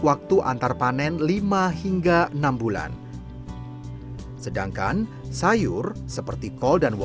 waktu antar panen lima hingga enam bulan sedangkan sayur seperti kol dan